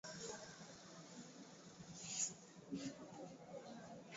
Baadae itakuwa sehemu ya jiji maarufu la Jiji la Zanzibar